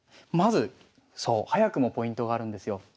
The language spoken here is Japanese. まずそう早くもポイントがあるんですよ。